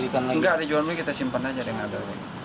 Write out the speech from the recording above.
tidak diperjual kita simpan aja yang ada